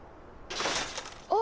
あ！